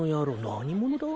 何者だ。